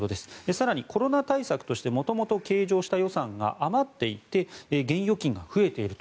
更に、コロナ対策として元々計上した予算が余っていて現預金が増えていると。